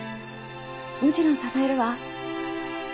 もちろん支えるわ。